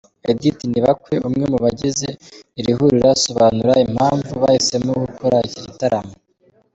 Edith Nibakwe umwe mu bagize iri huriro asobanura impamvu bahisemo gukora iki gitaramo.